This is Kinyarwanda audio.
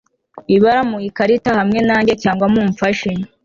ibara mu ikarita hamwe nanjye cyangwa mumfashe